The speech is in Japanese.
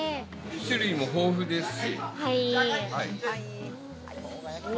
種類も豊富ですし。